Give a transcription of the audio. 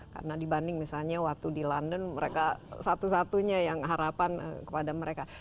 karena dibanding misalnya waktu di london mereka satu satunya yang harapan kepada mereka